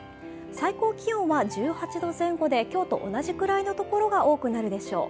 最高気温は１８度前後で今日と同じくらいの所が多くなるでしょう。